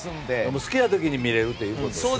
好きな時に見れるということですね。